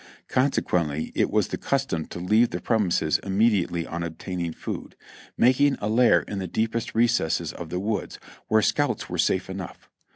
Consequently it was the custom to leave the prem ises immediately on obtaining food ; making a lair in the deepest recesses of the woods, where scouts were safe enough.